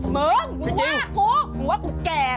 มึงว่ากูว่าผู้แก่